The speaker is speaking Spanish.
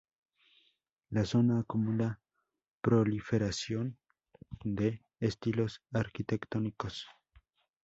La zona acumula proliferación de estilos arquitectónicos.